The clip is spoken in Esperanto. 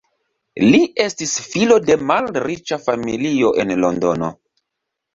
Li estis filo de malriĉa familio en Londono.